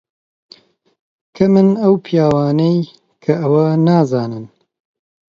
کەمن ئەو پیاوانەی کە ئەوە نازانن.